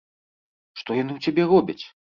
Што яны ў цябе робяць?!